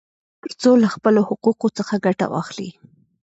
ترڅو له خپلو حقوقو څخه ګټه واخلي.